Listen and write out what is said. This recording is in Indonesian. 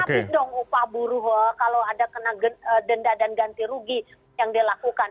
tapi dong upah buruh kalau ada kena denda dan ganti rugi yang dilakukan